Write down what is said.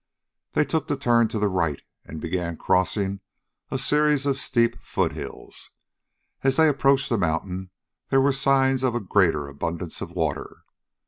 They took the turn to the right and began crossing a series of steep foothills. As they approached the mountain there were signs of a greater abundance of water.